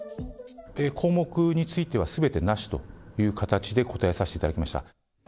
項目についてはすべてなしという形で答えさせていただきました。